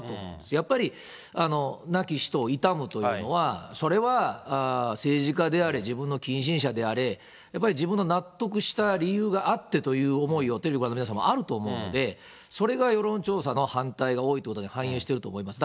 やっぱり亡き人を悼むというのは、それは政治家であれ、自分の近親者であれ、やっぱり自分の納得した理由があってという思いを、テレビをご覧の皆さん、あると思うので、それが世論調査の反対が多いということと反映していると思います。